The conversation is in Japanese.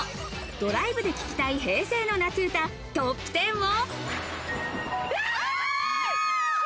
ドライブで聴きたい平成の夏歌トップテンを。